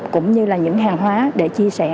cũng như là những hàng hóa để chia sẻ